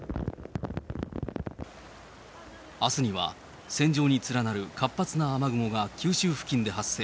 あすには線状に連なる活発な雨雲が九州付近で発生。